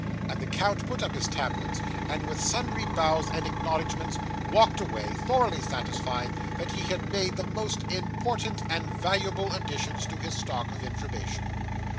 And the count put up his tablets, and with sundry bows and acknowledgments walked away, thoroughly satisfied that he had made the most important and valuable additions to his stock of information.